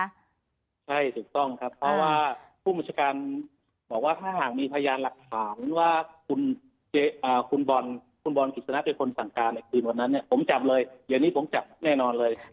ใช่ถูกต้องครับเพราะว่าผู้บัญชาการบอกว่าถ้าหากมีพยานหลักฐานว่าคุณบอลคุณบอลกฤษณะเป็นคนสั่งการในคืนวันนั้นเนี่ยผมจับเลยเดี๋ยวนี้ผมจับแน่นอนเลย